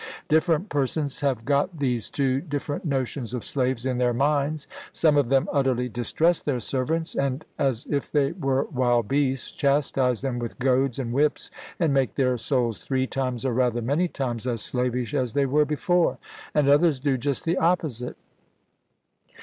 Different persons have got these two different notions of slaves in their minds some of them utterly distrust their servants, and, as if they were wild beasts, chastise them with goads and whips, and make their souls three times, or rather many times, as slavish as they were before; and others do just the opposite.